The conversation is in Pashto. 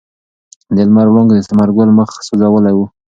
د لمر وړانګو د ثمر ګل مخ سوځولی و.